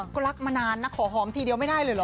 ก็รักมานานนะขอหอมทีเดียวไม่ได้เลยเหรอ